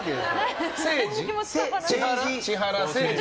千原せいじ？